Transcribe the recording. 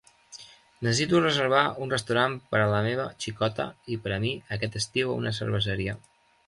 Necessito reservar un restaurant per a la meva xicota i per a mi aquest estiu a una cerveseria